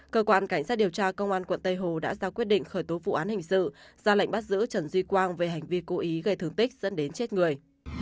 cơ quan cảnh sát điều tra công an quận tây hồ đã ra quyết định khởi tố vụ án hình sự ra lệnh bắt giữ trần duy quang về hành vi cố ý gây thương tích dẫn đến chết người